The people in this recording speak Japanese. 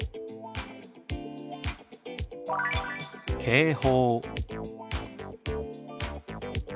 「警報」。